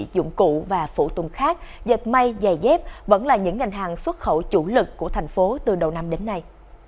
dụng cụ và phụ tùng khác dệt mây giày dép vẫn là những ngành hàng xuất khẩu chủ lực của thành phố từ đầu năm đến nay